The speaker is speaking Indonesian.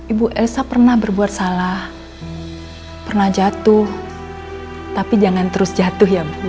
ibu elsa pernah berbuat salah pernah jatuh tapi jangan terus jatuh ya bu